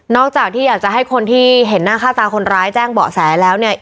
จากที่อยากจะให้คนที่เห็นหน้าค่าตาคนร้ายแจ้งเบาะแสแล้วเนี่ย